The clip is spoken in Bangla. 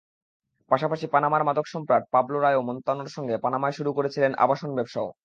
পাশাপাশি পানামার মাদকসম্রাট পাবলো রায়ো মন্তানোর সঙ্গে পানামায় শুরু করেছিলেন আবাসনব্যবসাও।